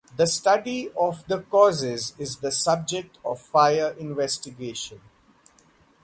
The study of the causes is the subject of fire investigation.